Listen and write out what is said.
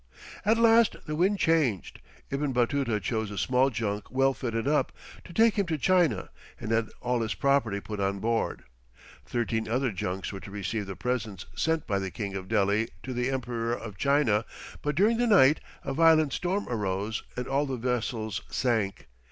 At last the wind changed; Ibn Batuta chose a small junk well fitted up, to take him to China, and had all his property put on board. Thirteen other junks were to receive the presents sent by the King of Delhi to the Emperor of China, but during the night a violent storm arose, and all the vessels sank.